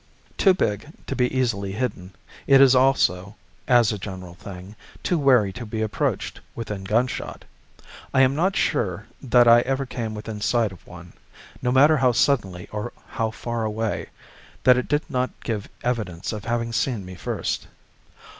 Too big to be easily hidden, it is also, as a general thing, too wary to be approached within gunshot. I am not sure that I ever came within sight of one, no matter how suddenly or how far away, that it did not give evidence of having seen me first.